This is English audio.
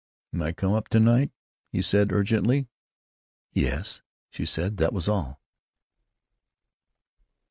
"May I come up to night?" he said, urgently. "Yes," she said. That was all.